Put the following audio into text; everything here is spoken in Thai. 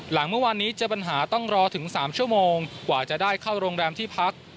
หลังเมื่อวานนี้เจอปัญหาต้องรอถึง๓ชั่วโมงกว่าจะได้เข้าโรงแรมที่พัก